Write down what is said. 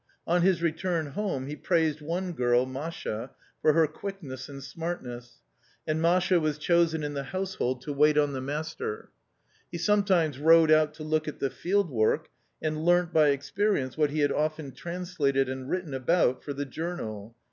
On his return home he praised one girl, Masha, for her quickness and smartness, and Masha was chosen in the household to " wait on the master." He sometimes rode out to look at the field work and learnt by experience what he had often translated and written about for the journal.